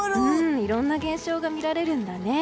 いろいろな現象が見られるんだね。